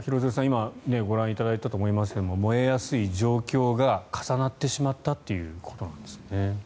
今ご覧いただいたと思いますが燃えやすい状況が重なってしまったということですね。